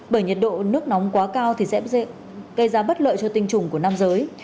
bởi nhiệt độ nước nóng quá cao thì sẽ gây ra bất lợi cho tinh trùng của nam giới